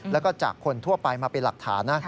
แล้วก็จากคนทั่วไปมาเป็นหลักฐานนะ